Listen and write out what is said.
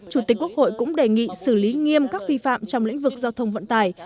chủ tịch quốc hội cũng đề nghị xử lý nghiêm các phi phạm trong lĩnh vực giao thông vận tải